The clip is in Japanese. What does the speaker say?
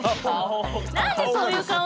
何でそういう顔に？